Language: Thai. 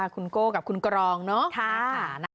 คุณโก้กับคุณกรองเนาะ